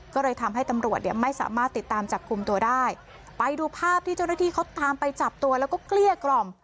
ก็เลยทำให้ตำรวจเนี่ยไม่สามารถติดตามจับกลุ่มตัวได้ไปดูภาพที่เจ้าหน้าที่เขาตามไปจับตัวแล้วก็เกลี้ยกล่อม